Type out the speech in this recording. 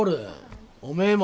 おめえも。